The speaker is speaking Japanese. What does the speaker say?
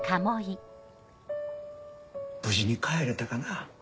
無事に帰れたかな。